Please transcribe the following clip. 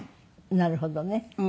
なるほどね。